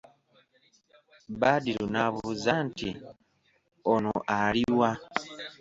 Badru n'abuuza nti:"ono ali wa"